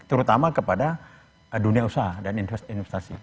terutama kepada dunia usaha dan investasi